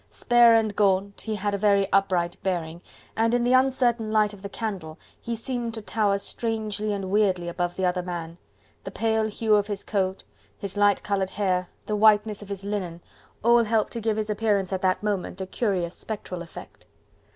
Spare and gaunt, he had a very upright bearing, and in the uncertain light of the candle he seemed to tower strangely and weirdly above the other man: the pale hue of his coat, his light coloured hair, the whiteness of his linen, all helped to give to his appearance at that moment a curious spectral effect.